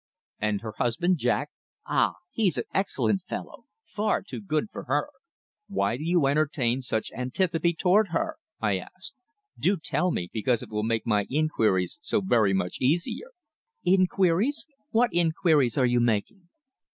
"And her husband, Jack?" "Ah! he's an excellent fellow far too good for her!" "Why do you entertain such antipathy toward her?" I asked. "Do tell me, because it will make my inquiries so very much easier." "Inquiries? What inquiries are you making?"